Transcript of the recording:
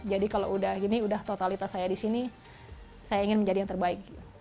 jadi kalau udah gini udah totalitas saya di sini saya ingin menjadi yang terbaik